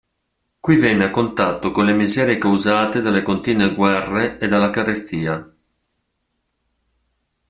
Qui venne a contatto con le miserie causate dalle continue guerre e dalla carestia.